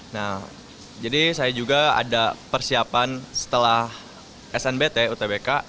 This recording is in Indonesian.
nah jadi saya juga ada persiapan setelah snbt utbk